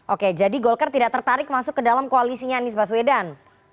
oke jadi golkar tidak tertarik masuk ke dalam koalisinya anies baswedan